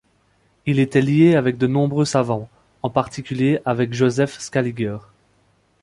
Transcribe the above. Il était lié avec de nombreux savants, en particulier avec Joseph Scaliger.